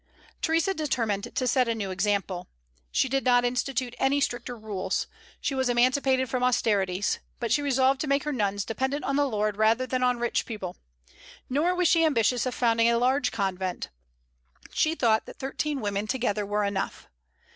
Theresa determined to set a new example. She did not institute any stricter rules; she was emancipated from austerities; but she resolved to make her nuns dependent on the Lord rather than on rich people. Nor was she ambitious of founding a large convent. She thought that thirteen women together were enough.